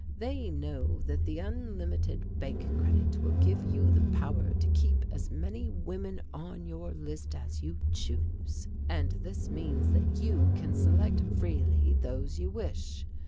They know that the unlimited bank credit will give you the power to keep as many women on your list as you choose, and this means that you can select freely those you wish.